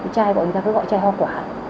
chai bọn người ta cứ gọi chai hoa quả